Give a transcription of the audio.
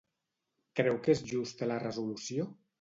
Creu que és justa la resolució?